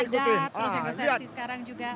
terus yang besar besar sekarang juga